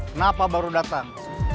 kenapa baru datang